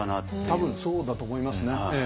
多分そうだと思いますね。